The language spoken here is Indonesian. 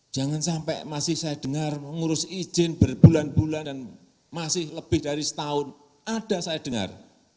jangan sampai masih saya dengar mengurus izin berbulan bulan dan masih lebih dari setahun ada saya dengar